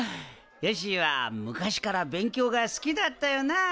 よっしぃは昔から勉強が好きだったよな。